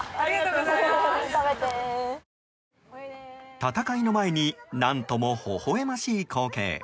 戦いの前に何とも、ほほ笑ましい光景。